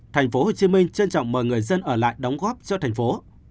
thành phố hồ chí minh trân trọng mời người dân ở lại đóng góp cho thành phố